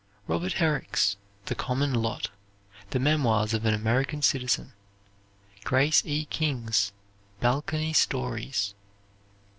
Robert Herrick's "The Common Lot," "The Memoirs of an American Citizen." Grace E. King's "Balcony Stories."